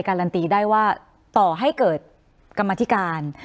คุณลำซีมัน